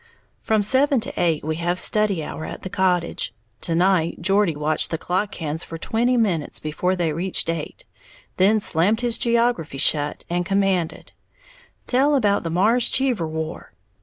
From seven to eight we have study hour at the cottage. To night Geordie watched the clock hands for twenty minutes before they reached eight, then slammed his geography shut, and commanded, "Tell about the Marrs Cheever war!"